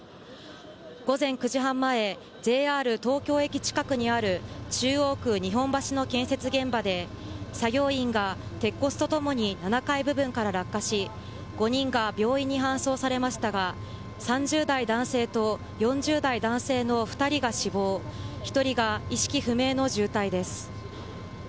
午前９時半前、ＪＲ東京駅近くにある、中央区日本橋の建設現場で、作業員が鉄骨とともに７階部分から落下し、５人が病院に搬送されましたが、３０代男性と４０代男性の２人が死亡、１人が意識不明の重体です。